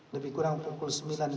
lebih kurang pukul